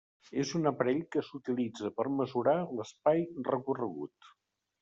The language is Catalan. És un aparell que s'utilitza per mesurar l'espai recorregut.